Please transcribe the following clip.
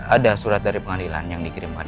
ada surat dari pengadilan yang dikirimkan